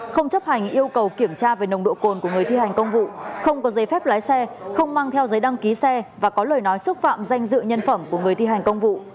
không chấp hành yêu cầu kiểm tra về nồng độ cồn của người thi hành công vụ không có giấy phép lái xe không mang theo giấy đăng ký xe và có lời nói xúc phạm danh dự nhân phẩm của người thi hành công vụ